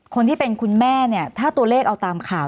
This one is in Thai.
คนที่เป็นคุณแม่เนี่ยถ้าตัวเลขเอาตามข่าว